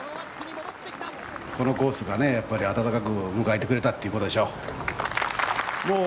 このコースがね、やっぱりあたたかく迎えてくれたってことでしょう。